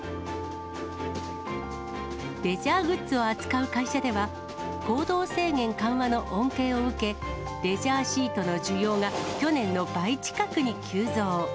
レジャーグッズを扱う会社では、行動制限緩和の恩恵を受け、レジャーシートの需要が、去年の倍近くに急増。